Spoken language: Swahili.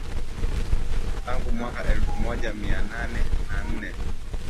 tangu mwaka elfu moja mia nane na nne